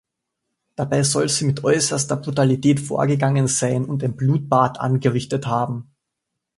Dabei soll sie mit äußerster Brutalität vorgegangen sein und ein Blutbad angerichtet haben.